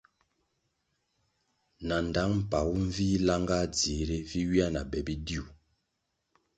Na ndtang mpagu nvih langah dzihri vi ywia na be bidiu.